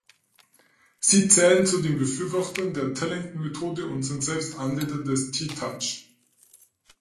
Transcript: Sie zählen zu den Befürwortern der Tellington-Methode und sind selbst Anwender des T-Touch.